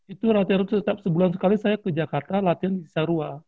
itu latihan rutin setiap sebulan sekali saya ke jakarta latihan di saruah